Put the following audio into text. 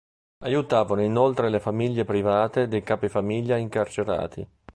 Aiutavano inoltre le famiglie private dei capifamiglia incarcerati.